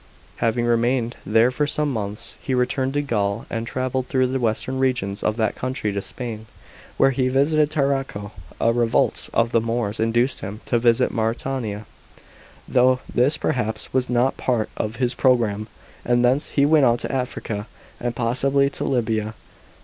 Having remained there for some months he returned to Gaul, and 121 134 A.D. JOURNEYS IN THE PROVINCES. 497 travelled through the western regions of that country to Spain, where he visited Tarraco. A revolt of the Moors induced him to visit Mauretania, though this perhaps was not part of his pro gramme, and thence he went on to Africa, and possibly to Libya.